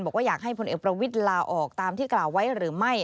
บอกว่าอยากให้พลเอกประวิทย์ลาออกตามที่กล่าวไว้หรือไม่